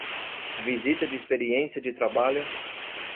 Visita de experiência de trabalho